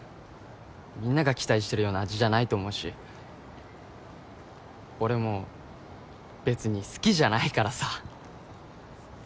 みんなが期待してるような味じゃないと思うし俺も別に好きじゃないからさ。